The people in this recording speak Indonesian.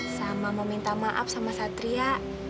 sama meminta maaf sama satria